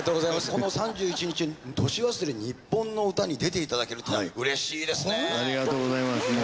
この３１日「年忘れにっぽんの歌」に出ていただけるといううれしいですね。